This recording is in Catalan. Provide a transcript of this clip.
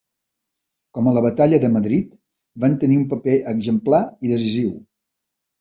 Com a la Batalla de Madrid van tenir un paper exemplar i decisiu.